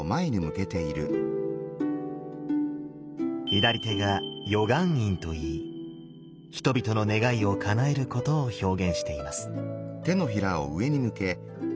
左手が与願印と言い人々の願いをかなえることを表現しています。